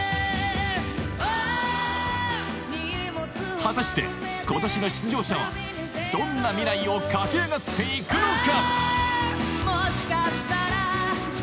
果たして今年の出場者はどんな未来を駆け上がって行くのか？